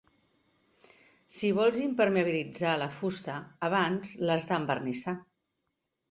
Si vols impermeabilitzar la fusta abans l'has d'envernissar.